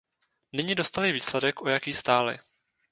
Nyní dostali výsledek, o jaký stáli.